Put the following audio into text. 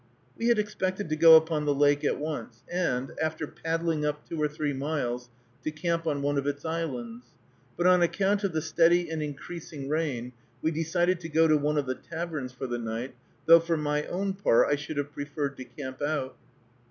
We had expected to go upon the lake at once, and, after paddling up two or three miles, to camp on one of its islands; but on account of the steady and increasing rain, we decided to go to one of the taverns for the night, though, for my own part, I should have preferred to camp out.